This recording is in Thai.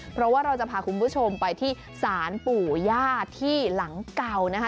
เพราะว่าเราจะพาคุณผู้ชมไปที่ศาลปู่ย่าที่หลังเก่านะคะ